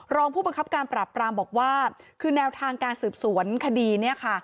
รองผู้บังคับการปราบปรามบอกว่าคือแนวทางการสืบสวนคดีเนี่ยค่ะ